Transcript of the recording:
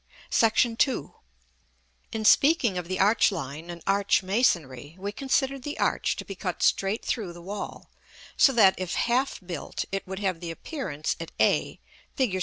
§ II. In speaking of the arch line and arch masonry, we considered the arch to be cut straight through the wall; so that, if half built, it would have the appearance at a, Fig.